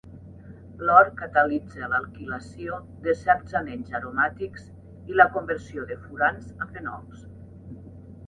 L'or catalitza l'alquilació de certs anells aromàtics i la conversió de furans a fenols.